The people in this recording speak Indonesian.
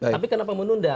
tapi kenapa menunda